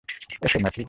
এসো, ম্যাথিউ।